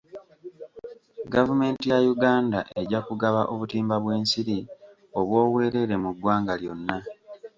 Gavumenti ya Uganda ejja kugaba obutimba bw'ensiri obw'obwereere mu ggwanga lyonna .